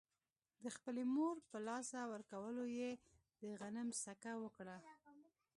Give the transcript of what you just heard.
د خپلې مور په له لاسه ورکولو يې د غم څکه وکړه.